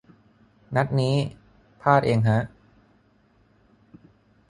นัดนี้ พลาดเองฮะ